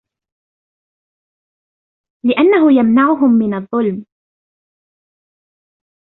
لِأَنَّهُ يَمْنَعُهُمْ مِنْ الظُّلْمِ